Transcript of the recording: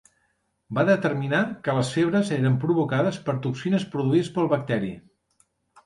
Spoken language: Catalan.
Va determinar que les febres eren provocades per toxines produïdes pel bacteri.